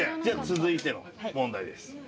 じゃあ続いての問題です。